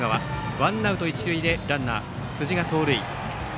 ワンアウト、一塁でランナー、辻が盗塁。